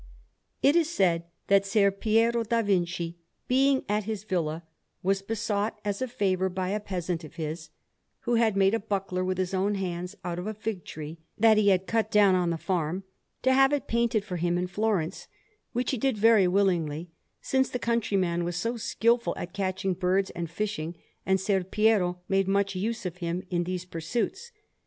It is said that Ser Piero da Vinci, being at his villa, was besought as a favour, by a peasant of his, who had made a buckler with his own hands out of a fig tree that he had cut down on the farm, to have it painted for him in Florence, which he did very willingly, since the countryman was very skilful at catching birds and fishing, and Ser Piero made much use of him in these pursuits.